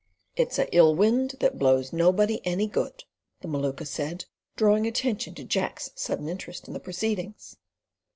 "It's a ill wind that blows nobody any good," the Maluka said, drawing attention to Jack's sudden interest in the proceedings.